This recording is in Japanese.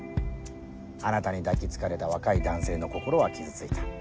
あなたに抱き付かれた若い男性の心は傷ついた。